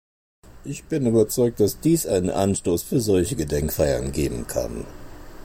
Ich bin überzeugt, dass dies einen Anstoß für solche Gedenkfeiern geben kann.